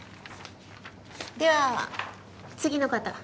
では次の方。